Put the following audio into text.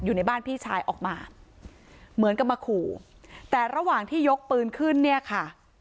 อยู่ในบ้านพี่ชายออกมาเหมือนกับมาขู่แต่ระหว่างที่ยกปืนขึ้นเนี่ยค่ะ